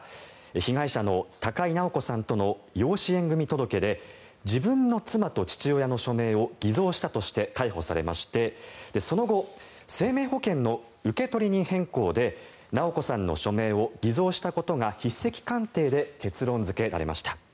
被害者の高井直子さんとの養子縁組届で自分の妻と父親の署名を偽造したとして逮捕されましてその後、生命保険の受取人変更で直子さんの署名を偽造したことが筆跡鑑定で結論付けられました。